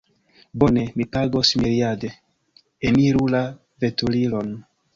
Bone, mi pagos miriade. Eniru la veturilon